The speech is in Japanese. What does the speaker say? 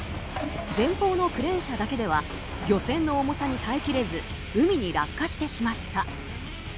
前方のクレーン車だけでは漁船の重さに耐えきれず海に落下してしまった。